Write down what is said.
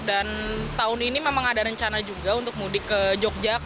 dan tahun ini memang ada rencana juga untuk mudik ke jogjak